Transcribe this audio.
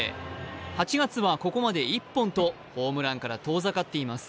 ８月はここまで１本とホームランから遠ざかっています。